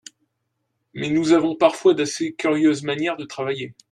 Mais nous avons parfois d’assez curieuses manières de travailler.